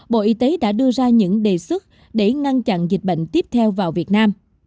bộ y tế đã đưa ra những đề xuất để ngăn chặn dịch bệnh tiếp theo vào việt nam